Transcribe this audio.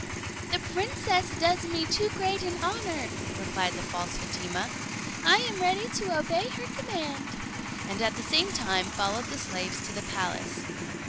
"The princess does me too great an honour," replied the false Fatima; "I am ready to obey her command," and at the same time followed the slaves to the palace.